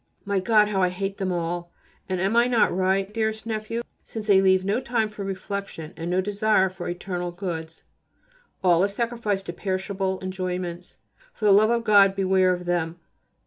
My God! how I hate them all. And am I not right, dearest nephew, since they leave no time for reflection, and no desire for eternal goods? All is sacrificed to perishable enjoyments. For the love of God beware of them.